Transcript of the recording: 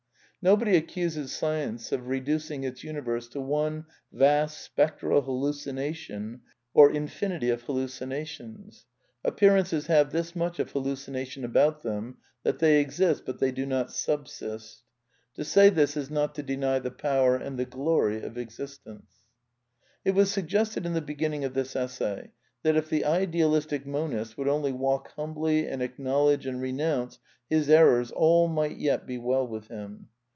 Nobody accuses Science of reducing its universe to one vast spectral hallucination or infinity of hallucinations. A ppearan ces h ave this much of halluc i nation about them thai theT^xist, but they do not subsist. To say ihii^ iti UOt W deny the powSr ana tne glory oJ existence. It was Btiggested in the beginning of this essay that if the idealistic monist would only walk humbly and acknowl edge and renounce his errors all might yet be well with him.